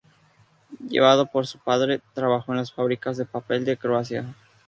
Llevado por su padre, trabajó en las fábricas de papel de Croacia.